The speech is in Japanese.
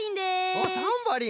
おっタンバリン！